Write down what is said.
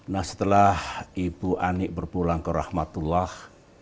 nah setelah ibu anik berpulang ke rahmatullah